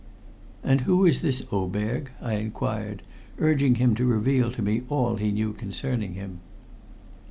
"And who is this Oberg?" I inquired, urging him to reveal to me all he knew concerning him.